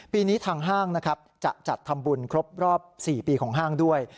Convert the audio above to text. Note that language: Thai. ปีนี้ทางห้างนะครับจะจัดทำบุญครบรอบ๔ปีของห้างด้วย